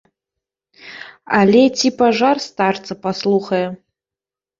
Але ці пажар старца паслухае?